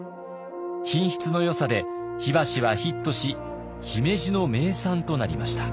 品質のよさで火箸はヒットし姫路の名産となりました。